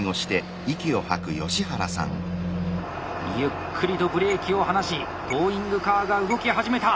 ゆっくりとブレーキを離しトーイングカーが動き始めた。